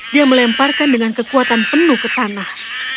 dia melemparkan dengan kekuatan penuh ke tanah